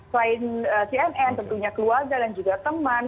selain cnn tentunya keluarga dan juga teman